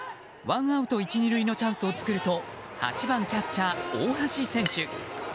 ワンアウト１、２塁のチャンスを作ると８番キャッチャー、大橋選手。